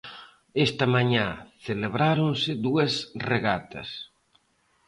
Esta mañá celebráronse dúas regatas.